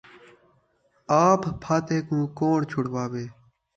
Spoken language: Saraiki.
آپ پھاتے کوں کون چھڑواوے